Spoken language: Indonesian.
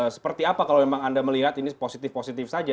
seperti apa kalau memang anda melihat ini positif positif saja